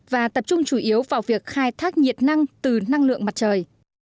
và tập trung chủ yếu vào việc khai thác nhiệt năng từ năng lượng mặt trời